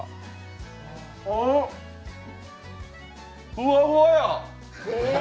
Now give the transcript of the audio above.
ふわふわや！